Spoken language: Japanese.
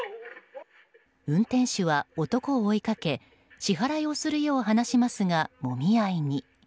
運転手は男を追いかけ支払いをするよう話しますがもみ合いに。